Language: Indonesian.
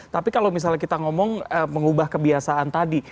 tapi kalau misalnya kita ngomong mengubah kebiasaan tadi